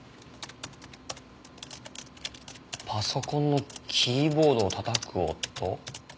パソコンのキーボードを叩く音？